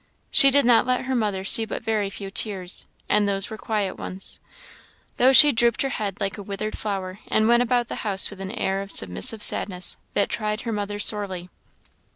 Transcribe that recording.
She did not let her mother see but very few tears, and those were quiet ones; though she drooped her head like a withered flower, and went about the house with an air of submissive sadness, that tried her mother sorely.